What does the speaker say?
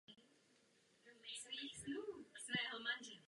K hraní hry bylo v době vydání potřeba neustálé připojení k internetu.